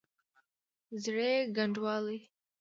زړې ګنډوالې!